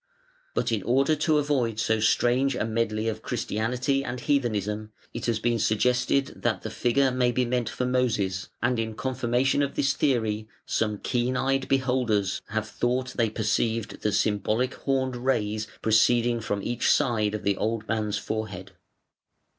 But in order to avoid so strange a medley of Christianity and heathenism it has been suggested that the figure may be meant for Moses, and in confirmation of this theory some keen eyed beholders have thought they perceived the symbolical horned rays proceeding from each side of the old man's forehead.